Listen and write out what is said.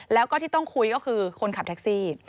แล้วก็ที่ต้องคุยก็คือคนขับแท็กซี่